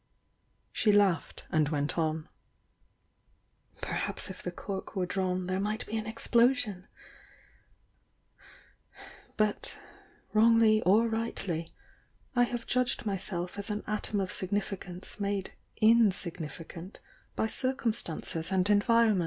She laughed, and went on. "Perhaps if the cork were drawn there might be an explosion! But, wrongly or rightly, I have judged myself as an atom of significance made insignifi cant by circumstances and environm.